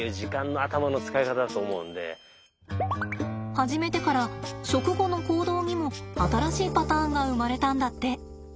始めてから食後の行動にも新しいパターンが生まれたんだって。